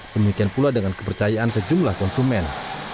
demikian pula dengan kepercayaan sejumlah konsumen